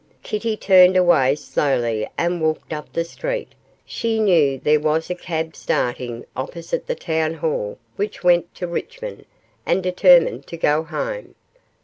Kitty turned away slowly and walked up the street. She knew there was a cab starting opposite the Town Hall which went to Richmond, and determined to go home.